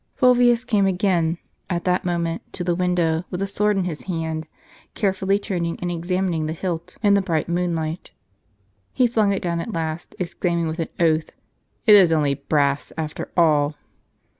Fulvius came again, at that moment, to the window, with a sword in his hand, carefully turning and examining the hilt in the bright moonlight. He flung it down at last, exclaim ing with an oath, " It is only brass, after all."